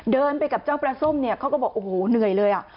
เดินไปกับเจ้าปลาส้มเนี่ยเขาก็บอกโอ้โหเหนื่อยเลยอ่ะ